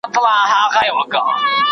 خپلې سترګې له بدو څخه وساتئ.